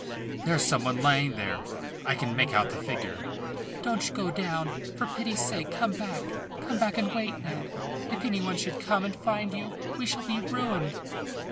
"There's some one lying there. I can make out the figure." "Don't go down! For pity's sake, come back. Come back and wait, Ned. If any one should come and find you we shall be ruined."